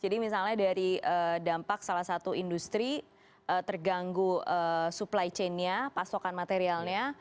jadi misalnya dari dampak salah satu industri terganggu supply chainnya pasokan materialnya